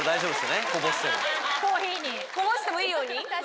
こぼしてもいいように？